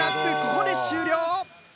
ここで終了！